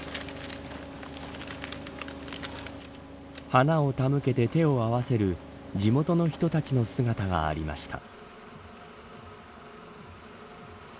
花を手向けて手を合わせる地元の人たちの姿がありました。